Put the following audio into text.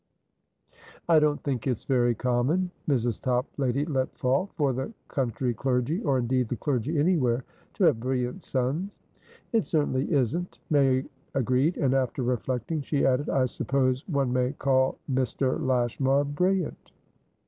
"I don't think it's very common;" Mrs. Toplady let fall, "for the country clergyor indeed the clergy anywhereto have brilliant sons." "It certainly isn't," May agreed. And, after reflecting, she added: "I suppose one may call Mr. Lashmar brilliant?"